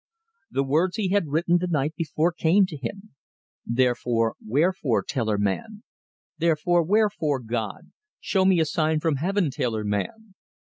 The words he had written the night before came to him: "Therefore, wherefore, tailor man? Therefore, wherefore, God?... Show me a sign from Heaven, tailor man!"